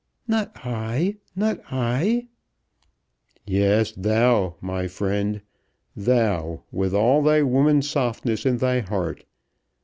"Not I; not I." "Yes, thou, my friend; thou, with all thy woman's softness in thy heart!